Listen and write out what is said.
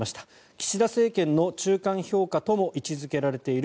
岸田政権の中間評価とも位置付けられている